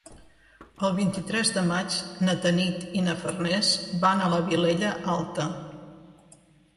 El vint-i-tres de maig na Tanit i na Farners van a la Vilella Alta.